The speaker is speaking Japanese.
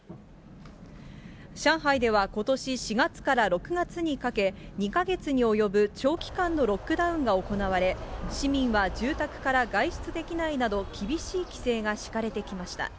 上海ではことし４月から６月にかけ、２か月に及ぶ長期間のロックダウンが行われ、市民は住宅から外出できないなど、厳しい規制が敷かれてきました。